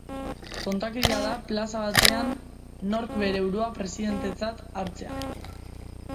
Tontakeria da plaza batean nork bere burua presidentetzat hartzea.